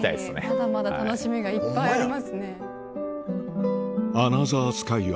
まだまだ楽しみがいっぱいありますね。